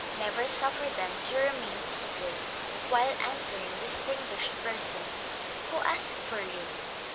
Never suffer them to remain seated while answering distinguished persons who ask for you.